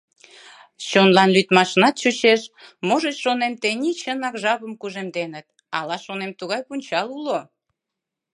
Чонлан лӱдмашынат чучеш, — можыч, шонем, тений чынак жапым кужемденыт, ала, шонем, тугай пунчал уло.